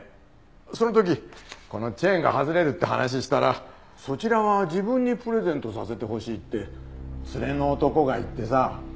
その時このチェーンが外れるって話したらそちらは自分にプレゼントさせてほしいって連れの男が言ってさ。